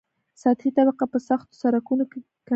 سطحي طبقه په سختو سرکونو کې کانکریټي وي